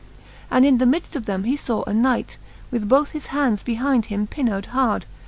XXIL And in the midft of them he iaw a knight, With both his hands behinde him pinnoed hard.